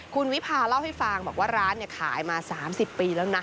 คุณวิพาเล่าให้ฟังบอกว่าร้านขายมา๓๐ปีแล้วนะ